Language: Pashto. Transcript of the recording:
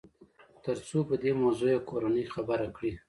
تر څو په دې موضوع يې کورنۍ خبره کړي.